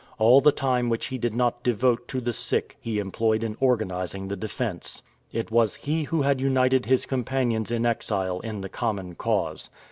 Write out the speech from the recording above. All the time which he did not devote to the sick he employed in organizing the defense. It was he who had united his companions in exile in the common cause.